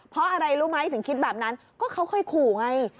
เพราะอะไรรู้ไหมถึงคิดแบบนั้นก็เขาเคยขู่ไง